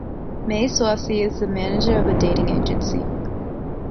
Mae Swasey is the manager of a dating agency.